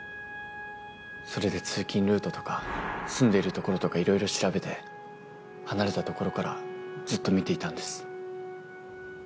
それで通勤ルートとか住んでいる所とかいろいろ調べて離れた所からずっと見ていたんです。